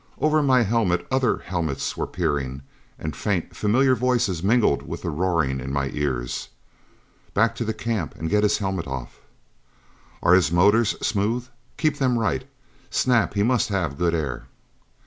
Over my helmet, other helmets were peering, and faint, familiar voices mingled with the roaring in my ears. " back to the camp and get his helmet off." "Are his motors smooth? Keep them right, Snap he must have good air."